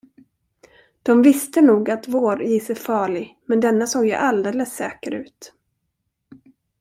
De visste nog, att våris är farlig, men denna såg ju alldeles säker ut.